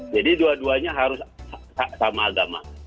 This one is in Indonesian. jadi dua duanya harus sama agama